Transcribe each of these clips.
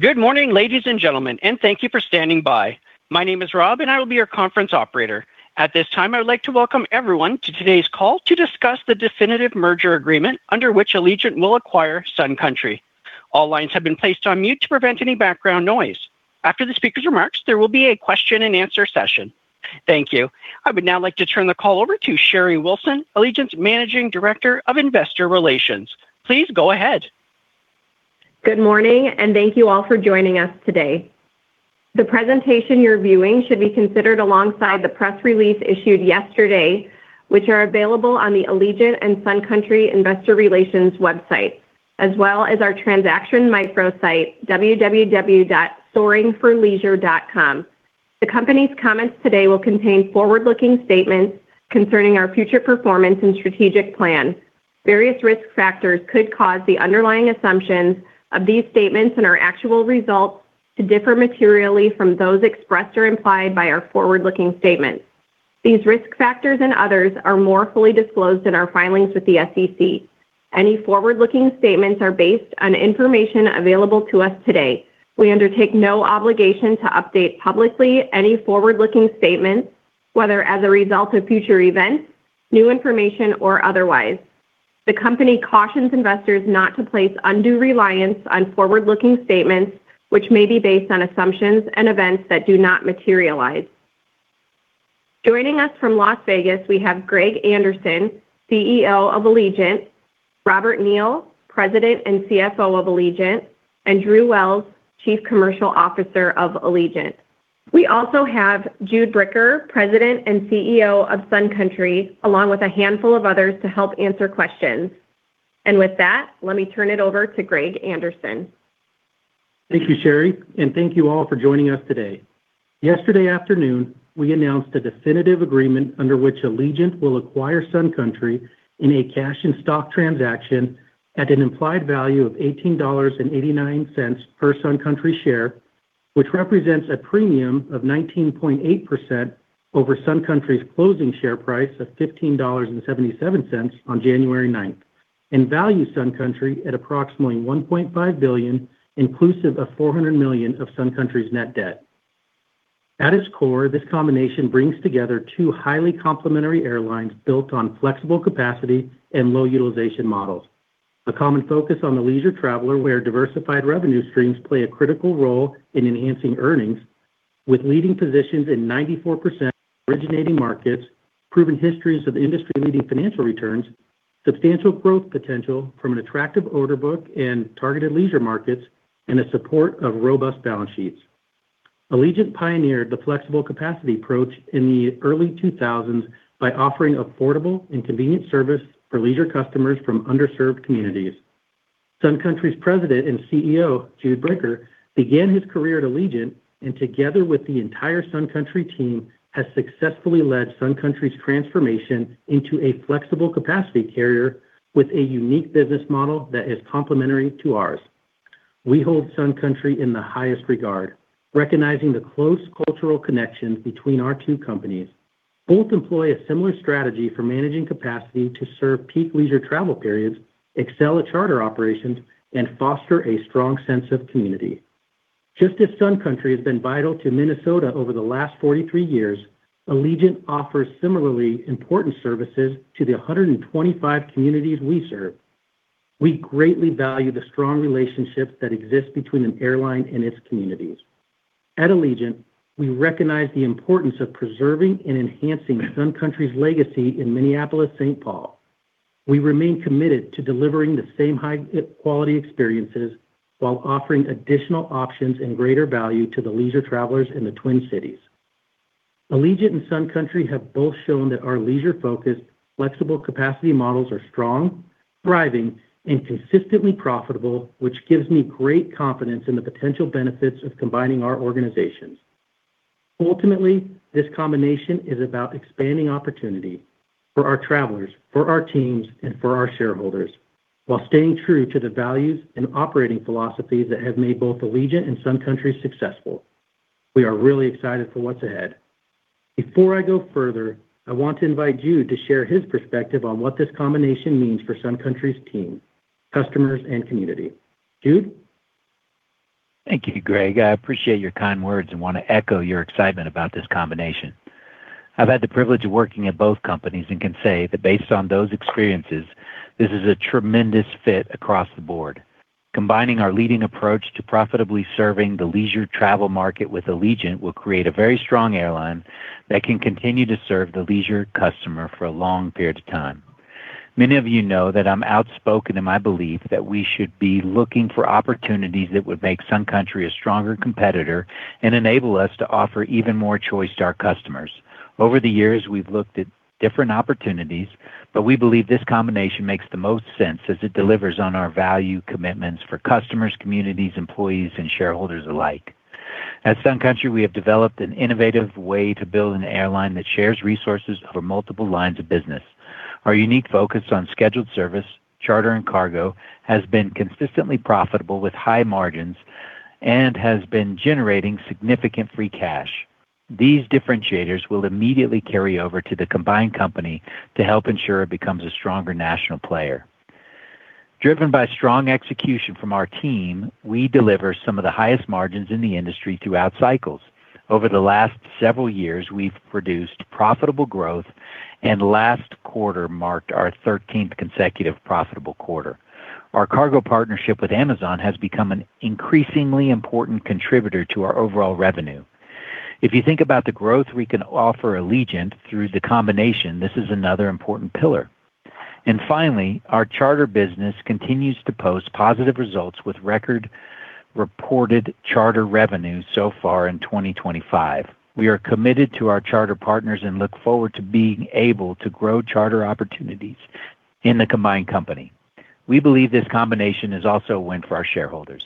Good morning, ladies and gentlemen, and thank you for standing by. My name is Rob, and I will be your conference operator. At this time, I would like to welcome everyone to today's call to discuss the definitive merger agreement under which Allegiant will acquire Sun Country. All lines have been placed on mute to prevent any background noise. After the speaker's remarks, there will be a question-and-answer session. Thank you. I would now like to turn the call over to Sherry Wilson, Allegiant's Managing Director of Investor Relations. Please go ahead. Good morning, and thank you all for joining us today. The presentation you're viewing should be considered alongside the press release issued yesterday, which are available on the Allegiant and Sun Country Investor Relations website, as well as our transaction micro-site, www.soaringforleisure.com. The company's comments today will contain forward-looking statements concerning our future performance and strategic plan. Various risk factors could cause the underlying assumptions of these statements and our actual results to differ materially from those expressed or implied by our forward-looking statements. These risk factors and others are more fully disclosed in our filings with the SEC. Any forward-looking statements are based on information available to us today. We undertake no obligation to update publicly any forward-looking statements, whether as a result of future events, new information, or otherwise. The company cautions investors not to place undue reliance on forward-looking statements, which may be based on assumptions and events that do not materialize. Joining us from Las Vegas, we have Greg Anderson, CEO of Allegiant; Robert Neal, President and CFO of Allegiant; and Drew Wells, Chief Commercial Officer of Allegiant. We also have Jude Bricker, President and CEO of Sun Country, along with a handful of others to help answer questions. With that, let me turn it over to Greg Anderson. Thank you, Sherry, and thank you all for joining us today. Yesterday afternoon, we announced a definitive agreement under which Allegiant will acquire Sun Country in a cash and stock transaction at an implied value of $18.89 per Sun Country share, which represents a premium of 19.8% over Sun Country's closing share price of $15.77 on January 9, and value Sun Country at approximately $1.5 billion, inclusive of $400 million of Sun Country's net debt. At its core, this combination brings together two highly complementary airlines built on flexible capacity and low utilization models. A common focus on the leisure traveler, where diversified revenue streams play a critical role in enhancing earnings, with leading positions in 94% originating markets, proven histories of industry-leading financial returns, substantial growth potential from an attractive order book and targeted leisure markets, and a support of robust balance sheets. Allegiant pioneered the flexible capacity approach in the early 2000s by offering affordable and convenient service for leisure customers from underserved communities. Sun Country's President and CEO, Jude Bricker, began his career at Allegiant and, together with the entire Sun Country team, has successfully led Sun Country's transformation into a flexible capacity carrier with a unique business model that is complementary to ours. We hold Sun Country in the highest regard, recognizing the close cultural connections between our two companies. Both employ a similar strategy for managing capacity to serve peak leisure travel periods, excel at charter operations, and foster a strong sense of community. Just as Sun Country has been vital to Minnesota over the last 43 years, Allegiant offers similarly important services to the 125 communities we serve. We greatly value the strong relationships that exist between an airline and its communities. At Allegiant, we recognize the importance of preserving and enhancing Sun Country's legacy in Minneapolis-St. Paul. We remain committed to delivering the same high-quality experiences while offering additional options and greater value to the leisure travelers in the Twin Cities. Allegiant and Sun Country have both shown that our leisure-focused flexible capacity models are strong, thriving, and consistently profitable, which gives me great confidence in the potential benefits of combining our organizations. Ultimately, this combination is about expanding opportunity for our travelers, for our teams, and for our shareholders, while staying true to the values and operating philosophies that have made both Allegiant and Sun Country successful. We are really excited for what's ahead. Before I go further, I want to invite Jude to share his perspective on what this combination means for Sun Country's team, customers, and community. Jude? Thank you, Greg. I appreciate your kind words and want to echo your excitement about this combination. I've had the privilege of working at both companies and can say that, based on those experiences, this is a tremendous fit across the board. Combining our leading approach to profitably serving the leisure travel market with Allegiant will create a very strong airline that can continue to serve the leisure customer for a long period of time. Many of you know that I'm outspoken in my belief that we should be looking for opportunities that would make Sun Country a stronger competitor and enable us to offer even more choice to our customers. Over the years, we've looked at different opportunities, but we believe this combination makes the most sense as it delivers on our value commitments for customers, communities, employees, and shareholders alike. At Sun Country, we have developed an innovative way to build an airline that shares resources over multiple lines of business. Our unique focus on scheduled service, charter, and cargo has been consistently profitable with high margins and has been generating significant free cash. These differentiators will immediately carry over to the combined company to help ensure it becomes a stronger national player. Driven by strong execution from our team, we deliver some of the highest margins in the industry throughout cycles. Over the last several years, we've produced profitable growth, and last quarter marked our 13th consecutive profitable quarter. Our cargo partnership with Amazon has become an increasingly important contributor to our overall revenue. If you think about the growth we can offer Allegiant through the combination, this is another important pillar. Finally, our charter business continues to post positive results with record-reported charter revenue so far in 2025. We are committed to our charter partners and look forward to being able to grow charter opportunities in the combined company. We believe this combination is also a win for our shareholders.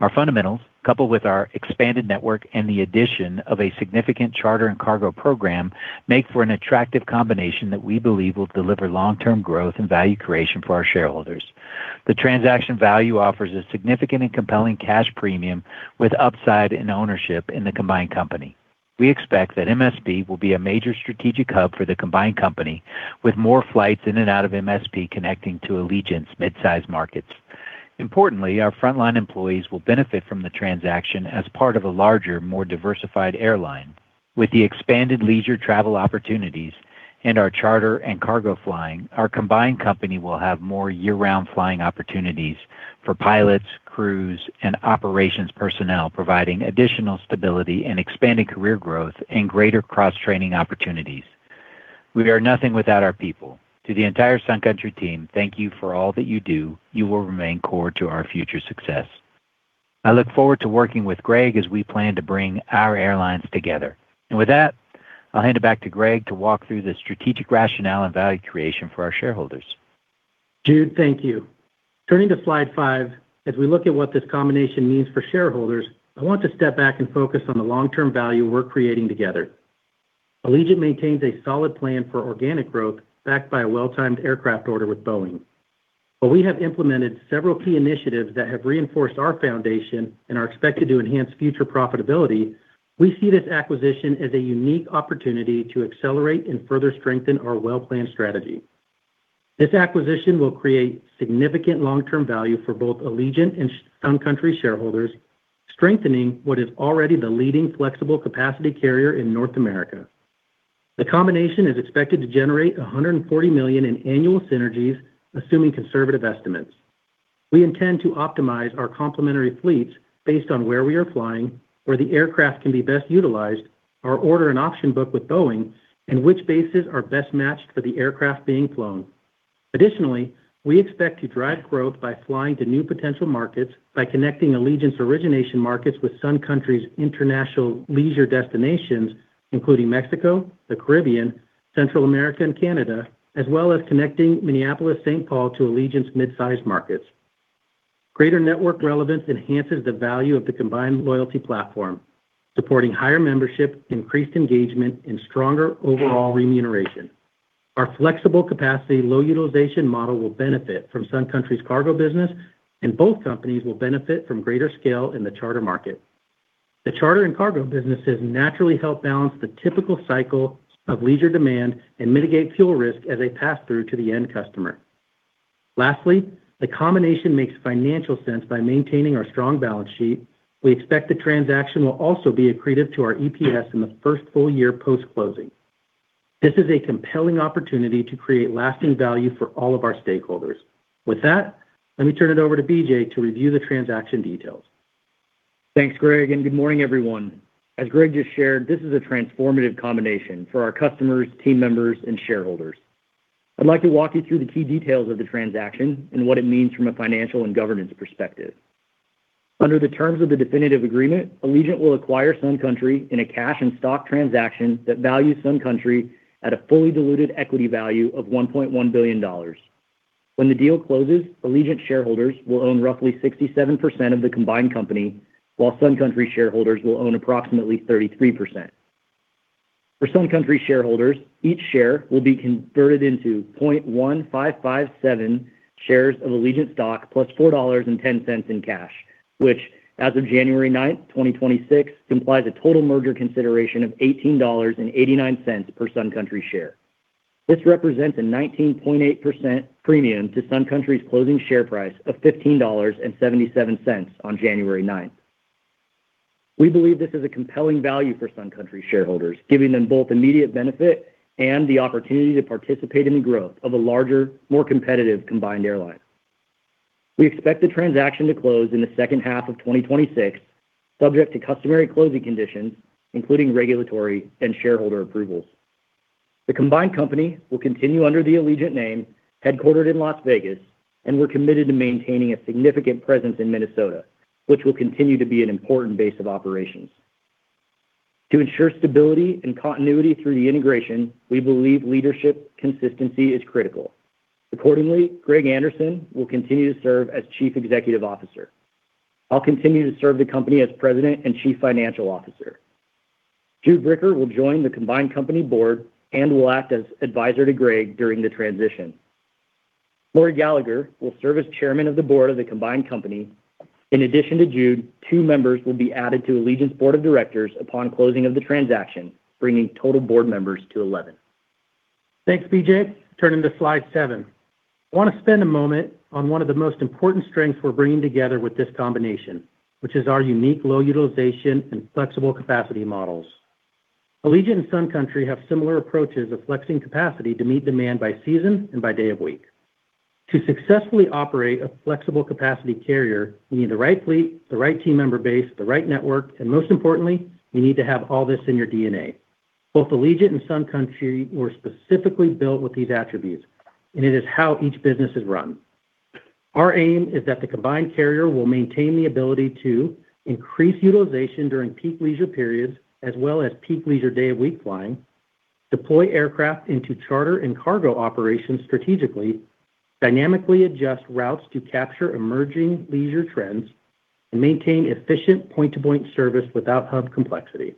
Our fundamentals, coupled with our expanded network and the addition of a significant charter and cargo program, make for an attractive combination that we believe will deliver long-term growth and value creation for our shareholders. The transaction value offers a significant and compelling cash premium with upside in ownership in the combined company. We expect that MSP will be a major strategic hub for the combined company, with more flights in and out of MSP connecting to Allegiant's mid-size markets. Importantly, our frontline employees will benefit from the transaction as part of a larger, more diversified airline. With the expanded leisure travel opportunities and our charter and cargo flying, our combined company will have more year-round flying opportunities for pilots, crews, and operations personnel, providing additional stability and expanded career growth and greater cross-training opportunities. We are nothing without our people. To the entire Sun Country team, thank you for all that you do. You will remain core to our future success. I look forward to working with Greg as we plan to bring our airlines together. And with that, I'll hand it back to Greg to walk through the strategic rationale and value creation for our shareholders. Jude, thank you. Turning to slide five, as we look at what this combination means for shareholders, I want to step back and focus on the long-term value we're creating together. Allegiant maintains a solid plan for organic growth backed by a well-timed aircraft order with Boeing. While we have implemented several key initiatives that have reinforced our foundation and are expected to enhance future profitability, we see this acquisition as a unique opportunity to accelerate and further strengthen our well-planned strategy. This acquisition will create significant long-term value for both Allegiant and Sun Country shareholders, strengthening what is already the leading flexible capacity carrier in North America. The combination is expected to generate $140 million in annual synergies, assuming conservative estimates. We intend to optimize our complementary fleets based on where we are flying, where the aircraft can be best utilized, our order and option book with Boeing, and which bases are best matched for the aircraft being flown. Additionally, we expect to drive growth by flying to new potential markets, by connecting Allegiant's origination markets with Sun Country's international leisure destinations, including Mexico, the Caribbean, Central America, and Canada, as well as connecting Minneapolis-St. Paul to Allegiant's mid-size markets. Greater network relevance enhances the value of the combined loyalty platform, supporting higher membership, increased engagement, and stronger overall remuneration. Our flexible capacity low utilization model will benefit from Sun Country's cargo business, and both companies will benefit from greater scale in the charter market. The charter and cargo businesses naturally help balance the typical cycle of leisure demand and mitigate fuel risk as they pass through to the end customer. Lastly, the combination makes financial sense by maintaining our strong balance sheet. We expect the transaction will also be accretive to our EPS in the first full year post-closing. This is a compelling opportunity to create lasting value for all of our stakeholders. With that, let me turn it over to BJ to review the transaction details. Thanks, Greg, and good morning, everyone. As Greg just shared, this is a transformative combination for our customers, team members, and shareholders. I'd like to walk you through the key details of the transaction and what it means from a financial and governance perspective. Under the terms of the definitive agreement, Allegiant will acquire Sun Country in a cash and stock transaction that values Sun Country at a fully diluted equity value of $1.1 billion. When the deal closes, Allegiant shareholders will own roughly 67% of the combined company, while Sun Country shareholders will own approximately 33%. For Sun Country shareholders, each share will be converted into 0.1557 shares of Allegiant stock plus $4.10 in cash, which, as of January 9, 2026, implies a total merger consideration of $18.89 per Sun Country share. This represents a 19.8% premium to Sun Country's closing share price of $15.77 on January 9. We believe this is a compelling value for Sun Country shareholders, giving them both immediate benefit and the opportunity to participate in the growth of a larger, more competitive combined airline. We expect the transaction to close in the second half of 2026, subject to customary closing conditions, including regulatory and shareholder approvals. The combined company will continue under the Allegiant name, headquartered in Las Vegas, and we're committed to maintaining a significant presence in Minnesota, which will continue to be an important base of operations. To ensure stability and continuity through the integration, we believe leadership consistency is critical. Accordingly, Greg Anderson will continue to serve as Chief Executive Officer. I'll continue to serve the company as President and Chief Financial Officer. Jude Bricker will join the combined company board and will act as advisor to Greg during the transition. Maury Gallagher will serve as Chairman of the Board of the combined company. In addition to Jude, two members will be added to Allegiant's Board of Directors upon closing of the transaction, bringing total board members to 11. Thanks, BJ. Turning to slide seven, I want to spend a moment on one of the most important strengths we're bringing together with this combination, which is our unique low utilization and flexible capacity models. Allegiant and Sun Country have similar approaches of flexing capacity to meet demand by season and by day of week. To successfully operate a flexible capacity carrier, we need the right fleet, the right team member base, the right network, and most importantly, we need to have all this in your DNA. Both Allegiant and Sun Country were specifically built with these attributes, and it is how each business is run. Our aim is that the combined carrier will maintain the ability to increase utilization during peak leisure periods, as well as peak leisure day of week flying, deploy aircraft into charter and cargo operations strategically, dynamically adjust routes to capture emerging leisure trends, and maintain efficient point-to-point service without hub complexity.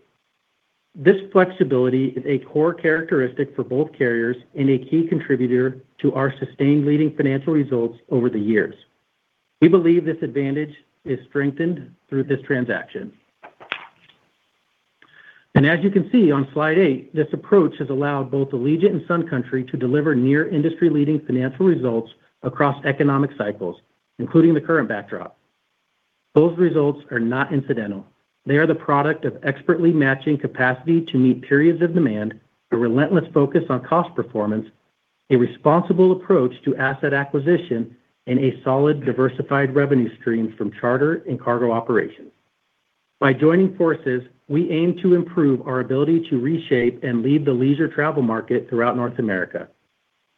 This flexibility is a core characteristic for both carriers and a key contributor to our sustained leading financial results over the years. We believe this advantage is strengthened through this transaction, and as you can see on slide eight, this approach has allowed both Allegiant and Sun Country to deliver near industry-leading financial results across economic cycles, including the current backdrop. Those results are not incidental. They are the product of expertly matching capacity to meet periods of demand, a relentless focus on cost performance, a responsible approach to asset acquisition, and a solid diversified revenue stream from charter and cargo operations. By joining forces, we aim to improve our ability to reshape and lead the leisure travel market throughout North America,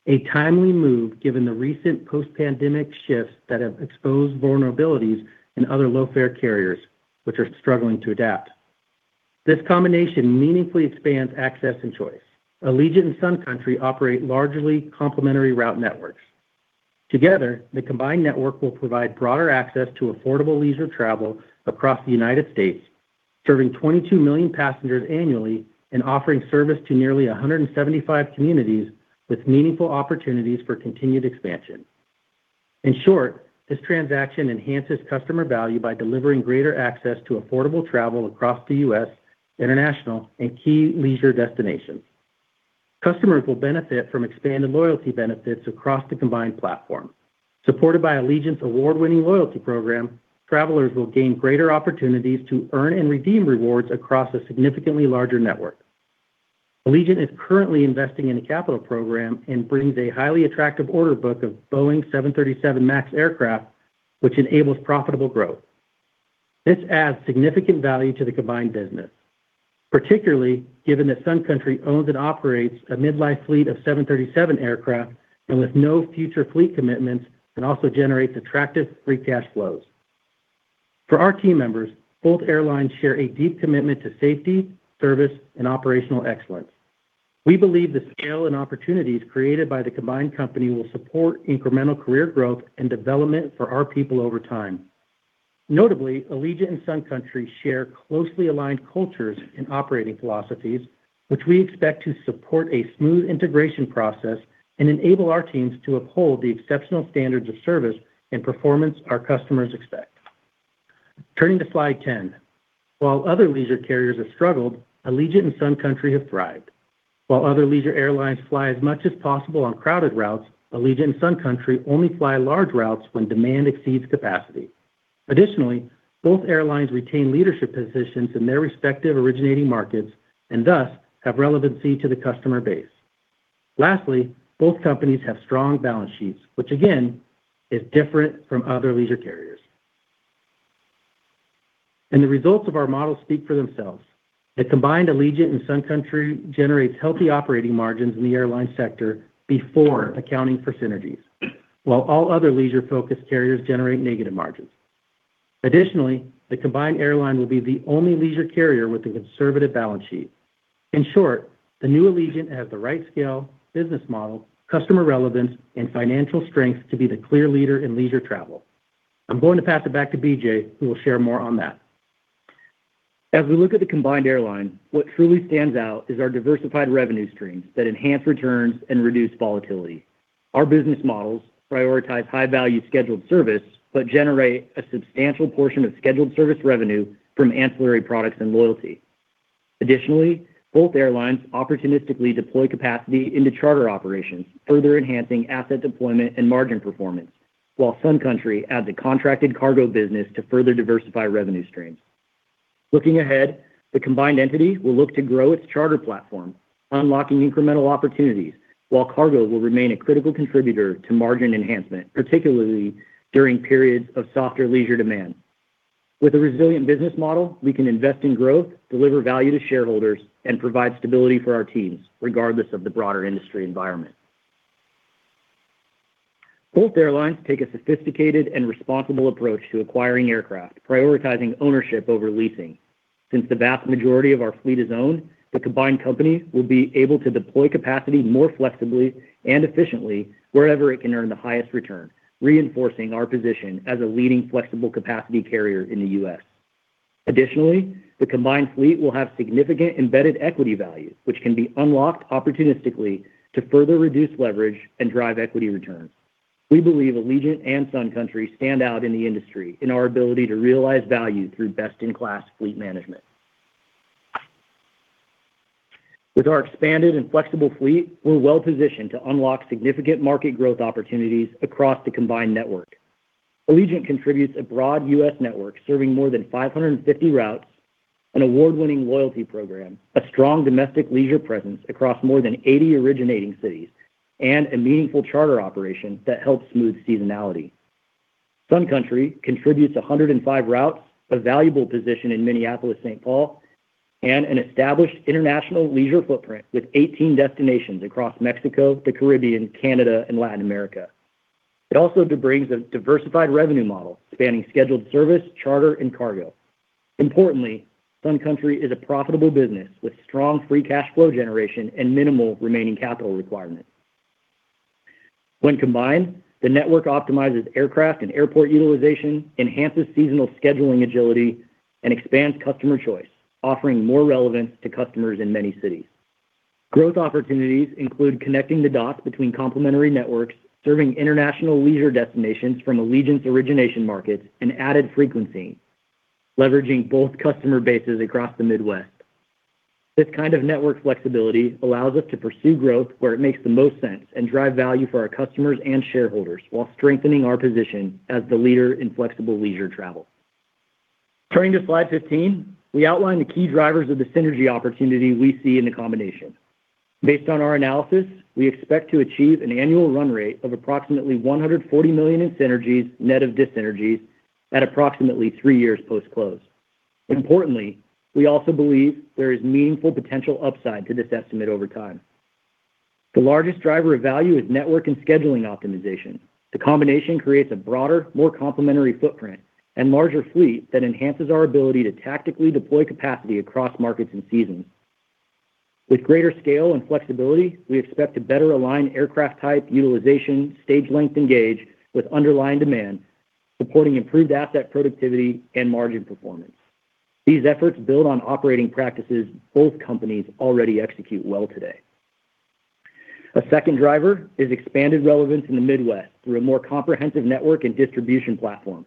a timely move given the recent post-pandemic shifts that have exposed vulnerabilities in other low-fare carriers, which are struggling to adapt. This combination meaningfully expands access and choice. Allegiant and Sun Country operate largely complementary route networks. Together, the combined network will provide broader access to affordable leisure travel across the United States, serving 22 million passengers annually and offering service to nearly 175 communities with meaningful opportunities for continued expansion. In short, this transaction enhances customer value by delivering greater access to affordable travel across the U.S., international, and key leisure destinations. Customers will benefit from expanded loyalty benefits across the combined platform. Supported by Allegiant's award-winning loyalty program, travelers will gain greater opportunities to earn and redeem rewards across a significantly larger network. Allegiant is currently investing in a capital program and brings a highly attractive order book of Boeing 737 MAX aircraft, which enables profitable growth. This adds significant value to the combined business, particularly given that Sun Country owns and operates a mid-life fleet of 737 aircraft and with no future fleet commitments and also generates attractive free cash flows. For our team members, both airlines share a deep commitment to safety, service, and operational excellence. We believe the scale and opportunities created by the combined company will support incremental career growth and development for our people over time. Notably, Allegiant and Sun Country share closely aligned cultures and operating philosophies, which we expect to support a smooth integration process and enable our teams to uphold the exceptional standards of service and performance our customers expect. Turning to slide 10, while other leisure carriers have struggled, Allegiant and Sun Country have thrived. While other leisure airlines fly as much as possible on crowded routes, Allegiant and Sun Country only fly large routes when demand exceeds capacity. Additionally, both airlines retain leadership positions in their respective originating markets and thus have relevancy to the customer base. Lastly, both companies have strong balance sheets, which again is different from other leisure carriers. And the results of our model speak for themselves. The combined Allegiant and Sun Country generates healthy operating margins in the airline sector before accounting for synergies, while all other leisure-focused carriers generate negative margins. Additionally, the combined airline will be the only leisure carrier with a conservative balance sheet. In short, the new Allegiant has the right scale, business model, customer relevance, and financial strength to be the clear leader in leisure travel. I'm going to pass it back to BJ, who will share more on that. As we look at the combined airline, what truly stands out is our diversified revenue streams that enhance returns and reduce volatility. Our business models prioritize high-value scheduled service but generate a substantial portion of scheduled service revenue from ancillary products and loyalty. Additionally, both airlines opportunistically deploy capacity into charter operations, further enhancing asset deployment and margin performance, while Sun Country adds a contracted cargo business to further diversify revenue streams. Looking ahead, the combined entity will look to grow its charter platform, unlocking incremental opportunities, while cargo will remain a critical contributor to margin enhancement, particularly during periods of softer leisure demand. With a resilient business model, we can invest in growth, deliver value to shareholders, and provide stability for our teams, regardless of the broader industry environment. Both airlines take a sophisticated and responsible approach to acquiring aircraft, prioritizing ownership over leasing. Since the vast majority of our fleet is owned, the combined company will be able to deploy capacity more flexibly and efficiently wherever it can earn the highest return, reinforcing our position as a leading flexible capacity carrier in the U.S. Additionally, the combined fleet will have significant embedded equity value, which can be unlocked opportunistically to further reduce leverage and drive equity returns. We believe Allegiant and Sun Country stand out in the industry in our ability to realize value through best-in-class fleet management. With our expanded and flexible fleet, we're well-positioned to unlock significant market growth opportunities across the combined network. Allegiant contributes a broad U.S. network serving more than 550 routes, an award-winning loyalty program, a strong domestic leisure presence across more than 80 originating cities, and a meaningful charter operation that helps smooth seasonality. Sun Country contributes 105 routes, a valuable position in Minneapolis-St. Paul, and an established international leisure footprint with 18 destinations across Mexico, the Caribbean, Canada, and Latin America. It also brings a diversified revenue model spanning scheduled service, charter, and cargo. Importantly, Sun Country is a profitable business with strong free cash flow generation and minimal remaining capital requirements. When combined, the network optimizes aircraft and airport utilization, enhances seasonal scheduling agility, and expands customer choice, offering more relevance to customers in many cities. Growth opportunities include connecting the dots between complementary networks, serving international leisure destinations from Allegiant's origination markets, and added frequency, leveraging both customer bases across the Midwest. This kind of network flexibility allows us to pursue growth where it makes the most sense and drive value for our customers and shareholders while strengthening our position as the leader in flexible leisure travel. Turning to slide 15, we outline the key drivers of the synergy opportunity we see in the combination. Based on our analysis, we expect to achieve an annual run rate of approximately $140 million in synergies net of disynergies at approximately three years post-close. Importantly, we also believe there is meaningful potential upside to this estimate over time. The largest driver of value is network and scheduling optimization. The combination creates a broader, more complementary footprint and larger fleet that enhances our ability to tactically deploy capacity across markets and seasons. With greater scale and flexibility, we expect to better align aircraft type, utilization, stage length, and gauge with underlying demand, supporting improved asset productivity and margin performance. These efforts build on operating practices both companies already execute well today. A second driver is expanded relevance in the Midwest through a more comprehensive network and distribution platform.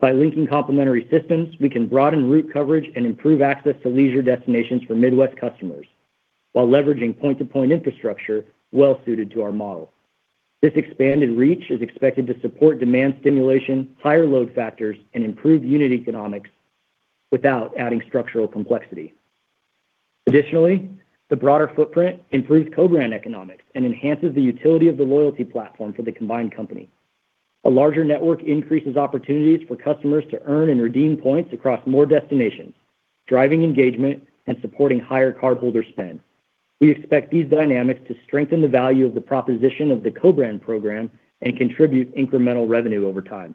By linking complementary systems, we can broaden route coverage and improve access to leisure destinations for Midwest customers while leveraging point-to-point infrastructure well-suited to our model. This expanded reach is expected to support demand stimulation, higher load factors, and improve unit economics without adding structural complexity. Additionally, the broader footprint improves co-brand economics and enhances the utility of the loyalty platform for the combined company. A larger network increases opportunities for customers to earn and redeem points across more destinations, driving engagement and supporting higher cardholder spend. We expect these dynamics to strengthen the value of the proposition of the co-brand program and contribute incremental revenue over time.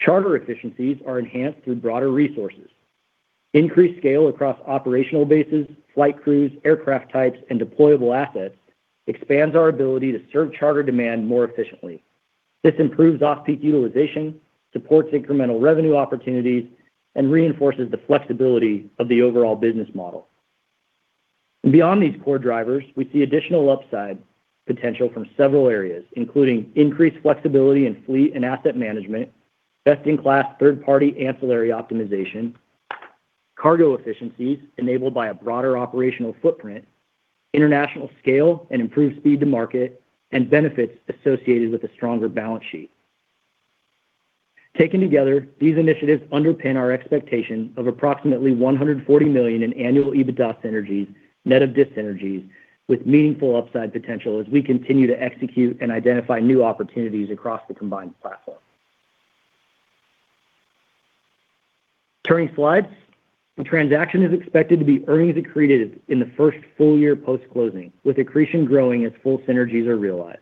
Charter efficiencies are enhanced through broader resources. Increased scale across operational bases, flight crews, aircraft types, and deployable assets expands our ability to serve charter demand more efficiently. This improves off-peak utilization, supports incremental revenue opportunities, and reinforces the flexibility of the overall business model. Beyond these core drivers, we see additional upside potential from several areas, including increased flexibility in fleet and asset management, best-in-class third-party ancillary optimization, cargo efficiencies enabled by a broader operational footprint, international scale and improved speed to market, and benefits associated with a stronger balance sheet. Taken together, these initiatives underpin our expectation of approximately $140 million in annual EBITDA synergies net of disynergies, with meaningful upside potential as we continue to execute and identify new opportunities across the combined platform. Turning to slides, the transaction is expected to be earnings accretive in the first full year post-closing, with accretion growing as full synergies are realized.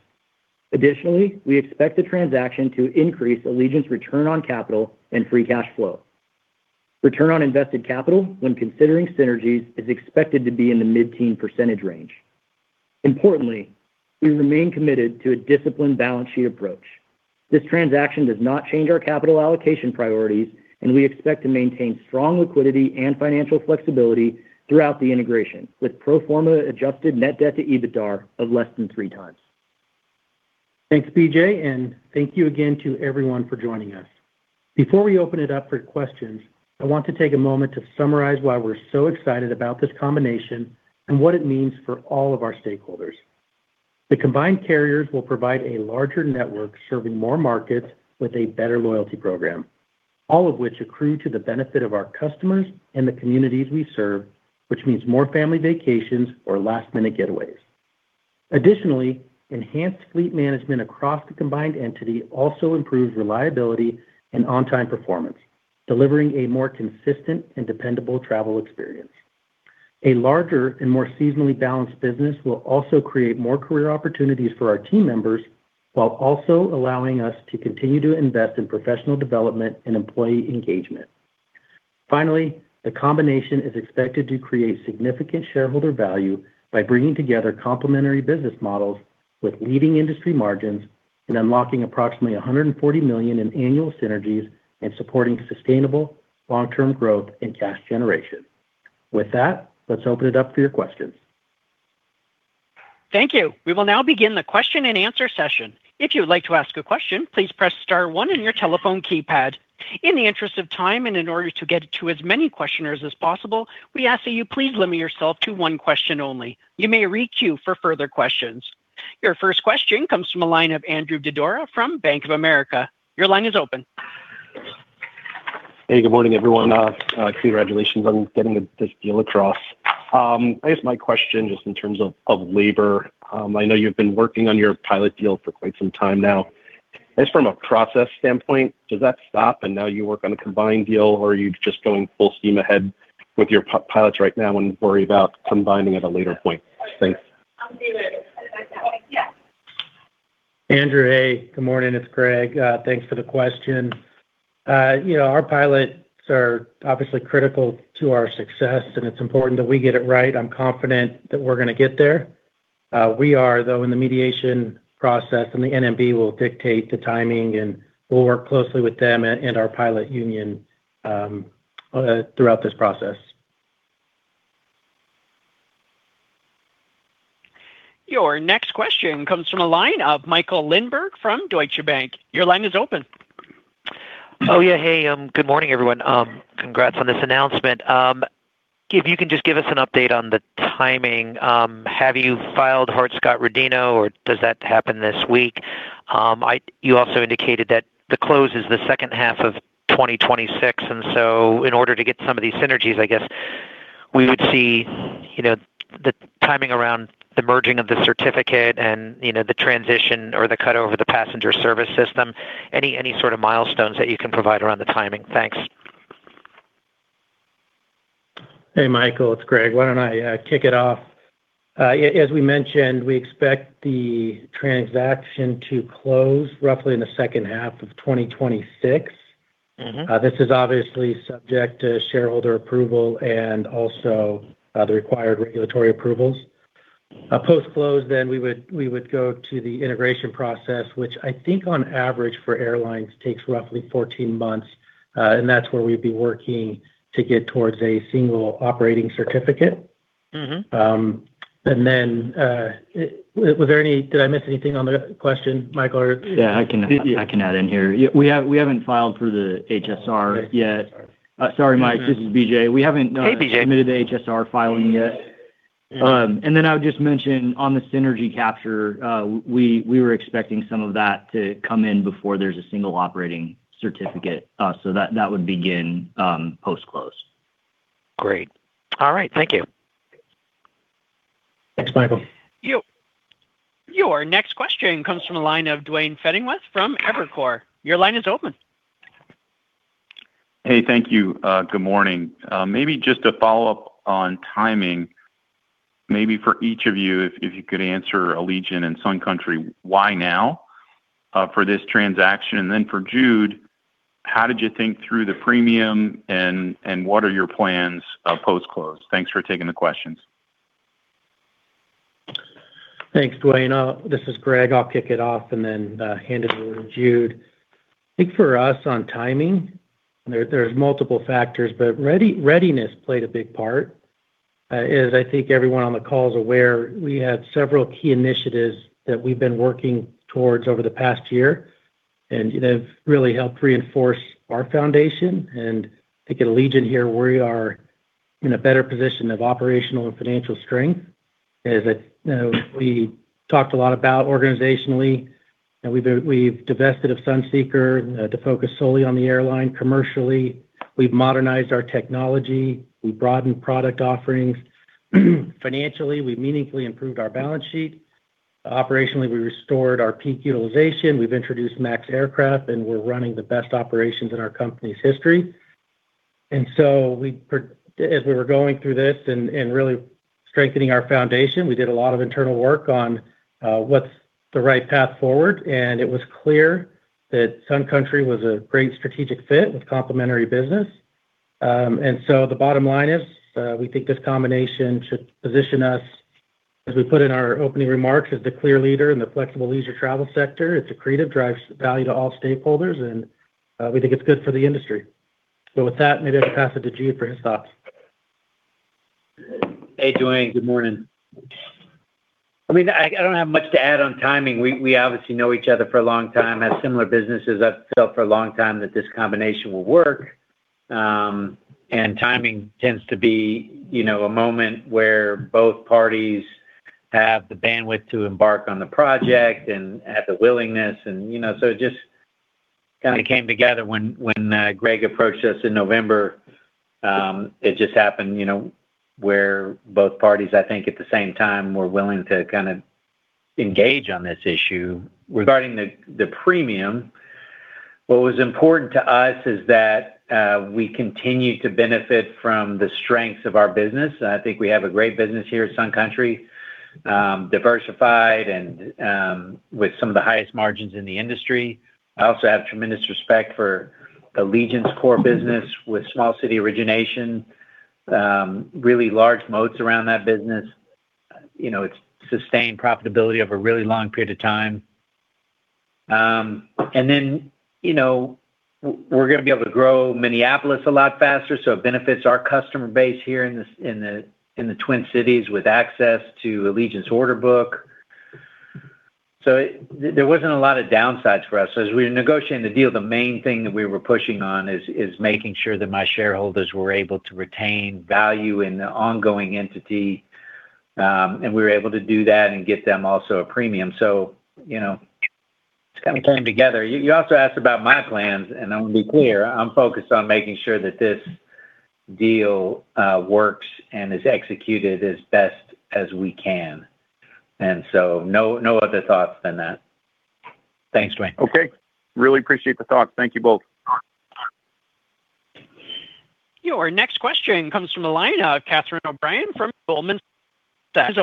Additionally, we expect the transaction to increase Allegiant's return on capital and free cash flow. Return on invested capital when considering synergies is expected to be in the mid-teens % range. Importantly, we remain committed to a disciplined balance sheet approach. This transaction does not change our capital allocation priorities, and we expect to maintain strong liquidity and financial flexibility throughout the integration with pro forma adjusted net debt to EBITDA of less than three times. Thanks, BJ, and thank you again to everyone for joining us. Before we open it up for questions, I want to take a moment to summarize why we're so excited about this combination and what it means for all of our stakeholders. The combined carriers will provide a larger network serving more markets with a better loyalty program, all of which accrue to the benefit of our customers and the communities we serve, which means more family vacations or last-minute getaways. Additionally, enhanced fleet management across the combined entity also improves reliability and on-time performance, delivering a more consistent and dependable travel experience. A larger and more seasonally balanced business will also create more career opportunities for our team members while also allowing us to continue to invest in professional development and employee engagement. Finally, the combination is expected to create significant shareholder value by bringing together complementary business models with leading industry margins and unlocking approximately $140 million in annual synergies and supporting sustainable long-term growth and cash generation. With that, let's open it up for your questions. Thank you. We will now begin the question and answer session. If you'd like to ask a question, please press star one in your telephone keypad. In the interest of time and in order to get to as many questioners as possible, we ask that you please limit yourself to one question only. You may re-queue for further questions. Your first question comes from a line of Andrew Didora from Bank of America. Your line is open. Hey, good morning, everyone. Congrations on getting this deal across. I guess my question just in terms of labor, I know you've been working on your pilot deal for quite some time now. I guess from a process standpoint, does that stop and now you work on a combined deal, or are you just going full steam ahead with your pilots right now and worry about combining at a later point? Thanks. Andrew, hey, good morning. It's Greg. Thanks for the question. Our pilots are obviously critical to our success, and it's important that we get it right. I'm confident that we're going to get there. We are, though, in the mediation process, and the NMB will dictate the timing, and we'll work closely with them and our pilot union throughout this process. Your next question comes from a line of Michael Linenberg from Deutsche Bank.Your line is open. Oh, yeah. Hey, good morning, everyone. Congrats on this announcement. If you can just give us an update on the timing. Have you filed Hart-Scott-Rodino, or does that happen this week? You also indicated that the close is the second half of 2026, and so in order to get some of these synergies, I guess we would see the timing around the merging of the certificate and the transition or the cutover of the passenger service system. Any sort of milestones that you can provide around the timing? Thanks. Hey, Michael, it's Greg. Why don't I kick it off? As we mentioned, we expect the transaction to close roughly in the second half of 2026. This is obviously subject to shareholder approval and also the required regulatory approvals. Post-close, then we would go to the integration process, which I think on average for airlines takes roughly 14 months, and that's where we'd be working to get towards a single operating certificate. And then was there any, did I miss anything on the question, Michael? Yeah, I can add in here. We haven't filed for the HSR yet. Sorry, Mike, this is BJ. We haven't submitted the HSR filing yet. And then I would just mention on the synergy capture, we were expecting some of that to come in before there's a single operating certificate, so that would begin post-close. Great. All right. Thank you. Thanks, Michael. Your next question comes from a line of Duane Pfennigwerth from Evercore. Your line is open. Hey, thank you. Good morning. Maybe just a follow-up on timing. Maybe for each of you, if you could answer Allegiant and Sun Country, why now for this transaction? And then for Jude, how did you think through the premium, and what are your plans post-close? Thanks for taking the questions. Thanks, Duane. This is Greg. I'll kick it off and then hand it over to Jude. I think for us on timing, there's multiple factors, but readiness played a big part. As I think everyone on the call is aware, we had several key initiatives that we've been working towards over the past year, and they've really helped reinforce our foundation. I think at Allegiant here, we are in a better position of operational and financial strength. As we talked a lot about organizationally, we've divested of Sunseeker to focus solely on the airline. Commercially, we've modernized our technology. We've broadened product offerings. Financially, we've meaningfully improved our balance sheet. Operationally, we restored our peak utilization. We've introduced MAX aircraft, and we're running the best operations in our company's history. And so as we were going through this and really strengthening our foundation, we did a lot of internal work on what's the right path forward, and it was clear that Sun Country was a great strategic fit with complementary business. And so the bottom line is we think this combination should position us, as we put in our opening remarks, as the clear leader in the flexible leisure travel sector. It's accretive, drives value to all stakeholders, and we think it's good for the industry. But with that, maybe I can pass it to Jude for his thoughts. Hey, Duane. Good morning. I mean, I don't have much to add on timing. We obviously know each other for a long time. We have similar businesses. I've felt for a long time that this combination will work, and timing tends to be a moment where both parties have the bandwidth to embark on the project and have the willingness. So it just kind of came together when Greg approached us in November. It just happened where both parties, I think at the same time, were willing to kind of engage on this issue. Regarding the premium, what was important to us is that we continue to benefit from the strengths of our business. I think we have a great business here at Sun Country, diversified and with some of the highest margins in the industry. I also have tremendous respect for Allegiant's core business with small city origination, really large moats around that business. It's sustained profitability over a really long period of time. And then we're going to be able to grow Minneapolis a lot faster, so it benefits our customer base here in the Twin Cities with access to Allegiant's order book. So there wasn't a lot of downsides for us. As we were negotiating the deal, the main thing that we were pushing on is making sure that my shareholders were able to retain value in the ongoing entity, and we were able to do that and get them also a premium. So it's kind of came together. You also asked about my plans, and I want to be clear. I'm focused on making sure that this deal works and is executed as best as we can. And so no other thoughts than that. Thanks, Duane. Okay. Really appreciate the thoughts. Thank you both. Your next question comes from a line of Catherine O'Brien from Goldman. Hey,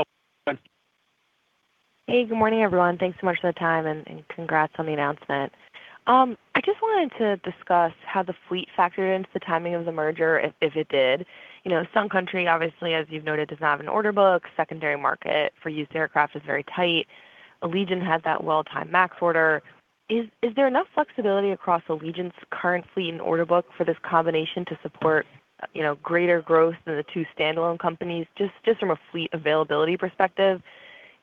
good morning, everyone. Thanks so much for the time, and congrats on the announcement. I just wanted to discuss how the fleet factored into the timing of the merger, if it did. Sun Country, obviously, as you've noted, does not have an order book. Secondary market for used aircraft is very tight. Allegiant had that well-timed MAX order. Is there enough flexibility across Allegiant's current fleet and order book for this combination to support greater growth than the two standalone companies just from a fleet availability perspective?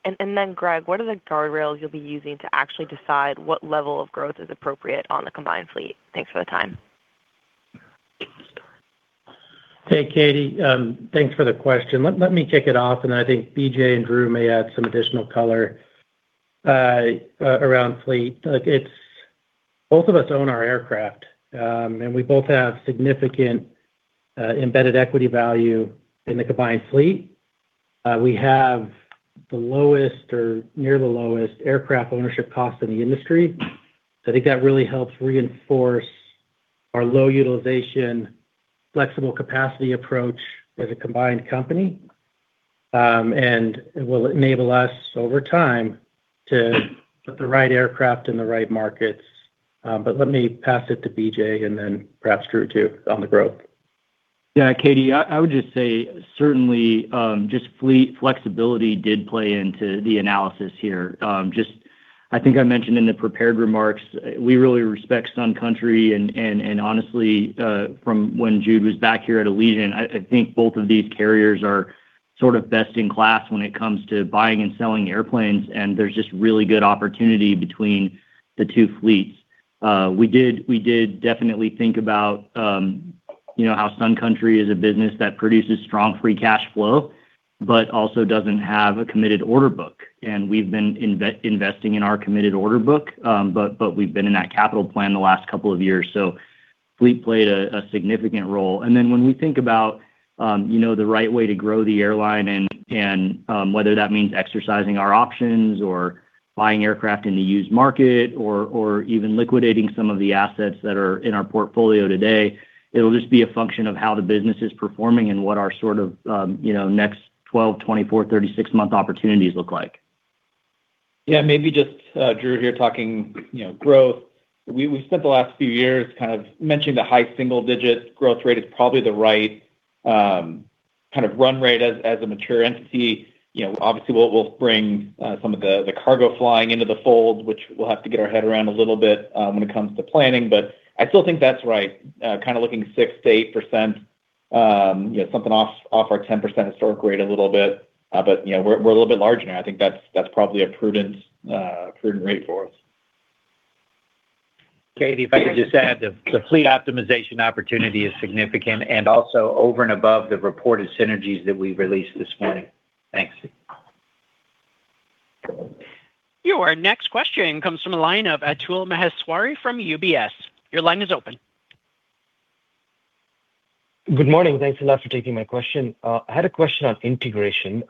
And then, Greg, what are the guardrails you'll be using to actually decide what level of growth is appropriate on the combined fleet? Thanks for the time. Hey, Katie. Thanks for the question. Let me kick it off, and I think BJ and Drew may add some additional color around fleet. Both of us own our aircraft, and we both have significant embedded equity value in the combined fleet. We have the lowest or near the lowest aircraft ownership cost in the industry. I think that really helps reinforce our low utilization flexible capacity approach as a combined company and will enable us over time to put the right aircraft in the right markets. But let me pass it to BJ and then perhaps Drew too on the growth. Yeah, Katie, I would just say certainly just fleet flexibility did play into the analysis here. Just I think I mentioned in the prepared remarks, we really respect Sun Country. Honestly, from when Jude was back here at Allegiant, I think both of these carriers are sort of best in class when it comes to buying and selling airplanes, and there's just really good opportunity between the two fleets. We did definitely think about how Sun Country is a business that produces strong free cash flow, but also doesn't have a committed order book. And we've been investing in our committed order book, but we've been in that capital plan the last couple of years. So fleet played a significant role. And then when we think about the right way to grow the airline and whether that means exercising our options or buying aircraft in the used market or even liquidating some of the assets that are in our portfolio today, it'll just be a function of how the business is performing and what our sort of next 12, 24, 36-month opportunities look like. Yeah, maybe just Drew here talking growth. We've spent the last few years kind of mentioning the high single-digit growth rate is probably the right kind of run rate as a mature entity. Obviously, we'll bring some of the cargo flying into the fold, which we'll have to get our head around a little bit when it comes to planning. But I still think that's right. Kind of looking 6%-8%, something off our 10% historic rate a little bit. But we're a little bit larger now. I think that's probably a prudent rate for us. Katie, if I could just add, the fleet optimization opportunity is significant and also over and above the reported synergies that we released this morning. Thanks. Your next question comes from a line of Atul Maheshwari from UBS. Your line is open. Good morning. Thanks a lot for taking my question. I had a question on integration.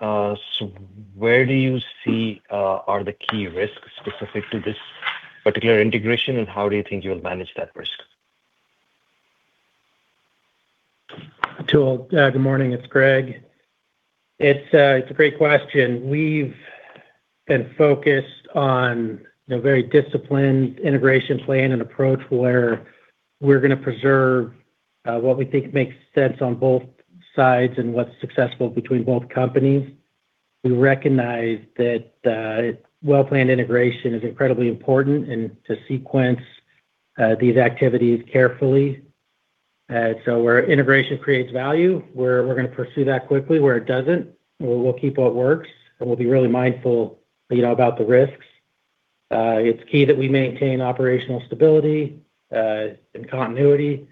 Where do you see are the key risks specific to this particular integration, and how do you think you'll manage that risk? Atul, good morning. It's Greg. It's a great question. We've been focused on a very disciplined integration plan and approach where we're going to preserve what we think makes sense on both sides and what's successful between both companies. We recognize that well-planned integration is incredibly important and to sequence these activities carefully. So where integration creates value, we're going to pursue that quickly. Where it doesn't, we'll keep what works, and we'll be really mindful about the risks. It's key that we maintain operational stability and continuity.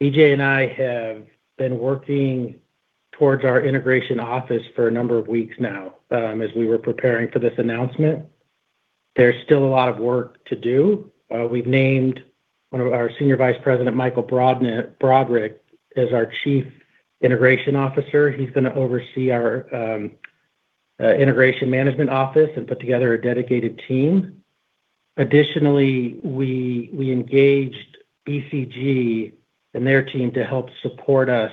BJ and I have been working towards our integration office for a number of weeks now as we were preparing for this announcement. There's still a lot of work to do. We've named one of our Senior Vice President, Michael Broderick, as our Chief Integration Officer. He's going to oversee our integration management office and put together a dedicated team. Additionally, we engaged BCG and their team to help support us